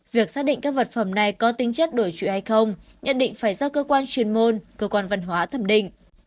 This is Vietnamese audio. việc xác định các vật phẩm này có tính chất đổi trụy hay không nhận định phải do cơ quan chuyên môn cơ quan văn hóa thẩm định